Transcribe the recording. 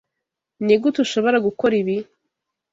Nigute ushobora gukora ibi?